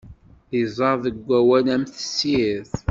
Iẓẓad deg wawal am tessirt.